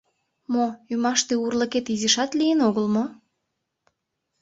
— Мо, ӱмаште урлыкет изишат лийын огыл мо?